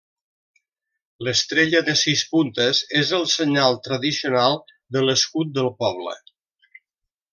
L'estrella de sis puntes és el senyal tradicional de l'escut del poble.